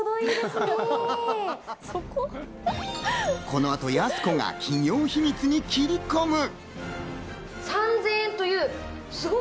この後、やす子が企業秘密に切り込む。